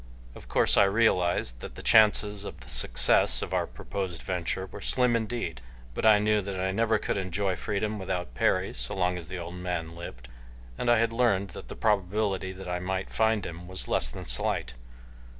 Of course I realized that the chances of the success of our proposed venture were slim indeed, but I knew that I never could enjoy freedom without Perry so long as the old man lived, and I had learned that the probability that I might find him was less than slight.